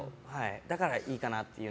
だからいいかなっていう。